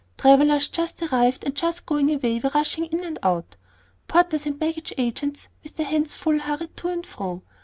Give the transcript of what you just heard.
Travellers just arrived and just going away were rushing in and out; porters and baggage agents with their hands full hurried to and fro.